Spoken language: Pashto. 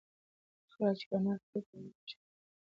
هغه خلک چې انار خوري د وینې فشار یې په نورمال حال وي.